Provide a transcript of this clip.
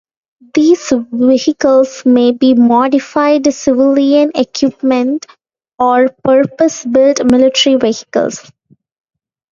These vehicles may be modified civilian equipment or purpose-built military vehicles.